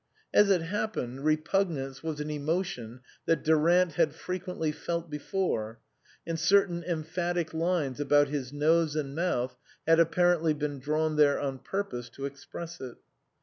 (As it happened, repugnance was an emo tion that Durant had frequently felt before, and certain emphatic lines about his nose and mouth had apparently been drawn there on purpose to express it.)